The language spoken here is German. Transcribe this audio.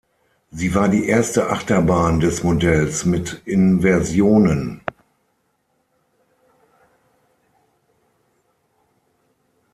Sie war die erste Achterbahn des Modells mit Inversionen.